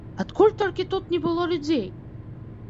Адкуль толькі тут не было людзей!